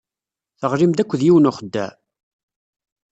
Teɣlim-d akked yiwen n uxeddaɛ.